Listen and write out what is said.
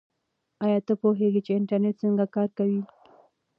آیا ته پوهېږې چې انټرنیټ څنګه کار کوي؟